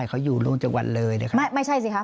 เขาอยู่ร่วมจังหวัดเลยนะครับไม่ใช่สิคะ